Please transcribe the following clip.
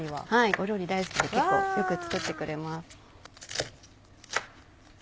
お料理大好きで結構よく作ってくれます。